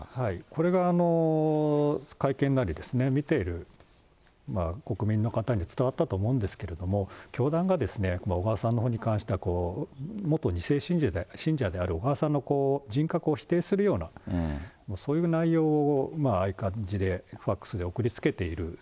これが会見なり、見ている国民の方に伝わったと思うんですけれども、教団が、小川さんのほうに関しては、元２世信者である小川さんの人格を否定するような、そういう内容をああいう感じでファックスで送り付けている。